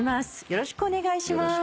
よろしくお願いします。